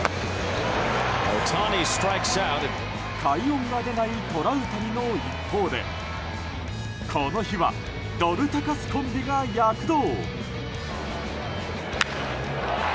快音が出ないトラウタニの一方でこの日はドルタカスコンビが躍動。